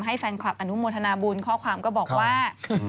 ให้แฟนคลับอนุโมทนาบุญข้อความก็บอกว่า